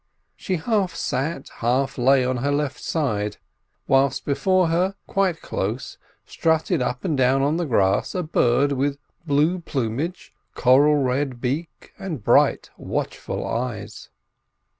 She half sat, half lay on her left side; whilst before her, quite close, strutted up and down on the grass, a bird, with blue plumage, coral red beak, and bright, watchful eyes.